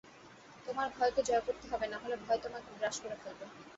তোমার ভয়কে জয় করতে হবে, নাহলে ভয় তোমাকে গ্রাস করে ফেলবে।